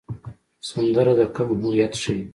سندره د قوم هویت ښيي